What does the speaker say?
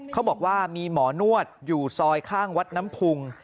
เขาบอกว่ามีหมอนวดอยู่ซอยข้างวัดน้ำพุง